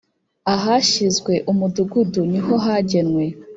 ahashyizwe umudugudu nihohagenwe.